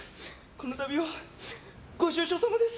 このたびはご愁傷様です。